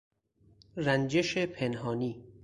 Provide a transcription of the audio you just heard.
رنجش پنهانی